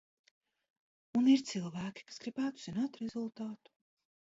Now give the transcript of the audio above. Un ir cilvēki, kas gribētu zināt rezultātu.